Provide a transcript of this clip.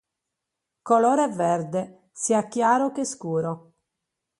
Colore verde, sia chiaro che scuro.